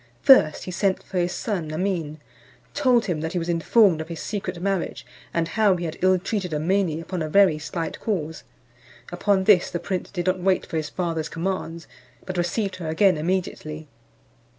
First, he sent for his son Amin, told him that he was informed of his secret marriage, and how he had ill treated Amene upon a very slight cause. Upon this the prince did not wait for his father's commands, but received her again immediately.